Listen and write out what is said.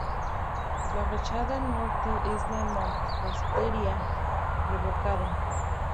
La fachada norte es de mampostería revocada.